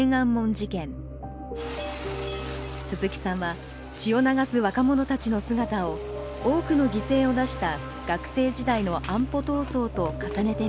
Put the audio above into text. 鈴木さんは血を流す若者たちの姿を多くの犠牲を出した学生時代の安保闘争と重ねて見ていました。